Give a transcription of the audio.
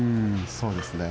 そうですね。